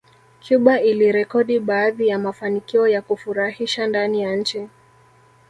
Cuba ilirekodi baadhi ya mafanikio ya kufurahisha ndani ya nchi